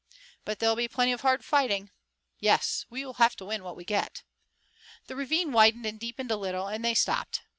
"But there'll be plenty of hard fighting." "Yes. We'll have to win what we get." The ravine widened and deepened a little, and they stopped.